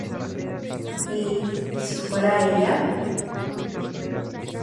Y, ¿si fuera ella?